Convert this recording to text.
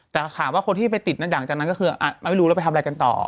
แต่ถามว่าคนที่ไปติดหลังจากนั้นก็คือไม่รู้แล้วไปทำอะไรกันต่อ